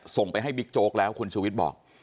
ส่งไปให้บิ๊กโจ๊กแล้วคุณชูวิทย์บอก